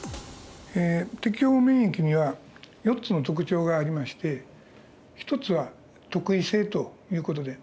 適応免疫には４つの特徴がありまして１つは特異性という事で。